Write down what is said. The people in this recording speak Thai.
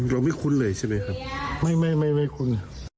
ไม่คุ้นเลยใช่ไหมครับไม่ไม่คุ้น